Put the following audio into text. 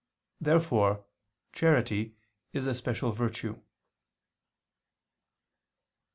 Therefore charity is a special virtue.